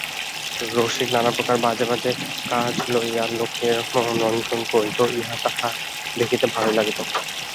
রসিক নানাপ্রকার বাজে কাজ লইয়া লোকের মনোরঞ্জন করিত ইহা তাহার দেখিতে ভালোই লাগিত।